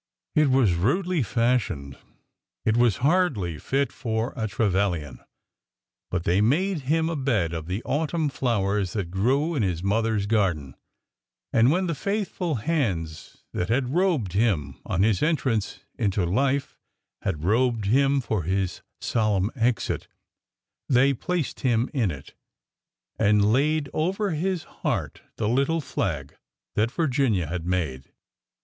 It was rudely fashioned. It was hardly fit for a Tre vilian. But they made him a bed of the autumn flowers that grew in his mother's garden, and when the faithful hands that had robed him on his entrance into life had robed him for his solemn exit, they placed him in it and laid over his heart the little flag that Virginia had made.